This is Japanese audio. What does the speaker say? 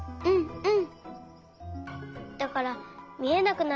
うん！